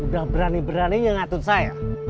udah berani berani yang ngatun saya